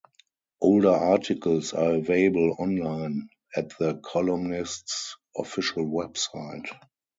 Older articles are available online at the columnist's official website.